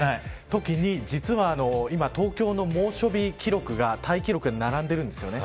ときに実は今東京の猛暑日記録がタイ記録に並んでるんです。